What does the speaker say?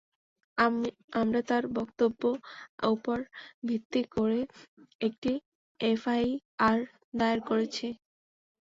আমরা তার বক্তব্য উপর ভিত্তি করে একটি এফআইআর দায়ের করেছি।